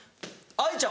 藍ちゃん！